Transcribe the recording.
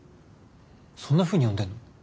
そんなふうに呼んでんの？